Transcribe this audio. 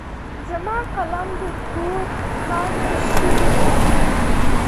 زما قلم د کوړم کاڼی شو؛ بيا مې و نه ليد.